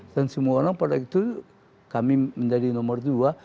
dan semua orang pada waktu itu kami menjadi nomor dua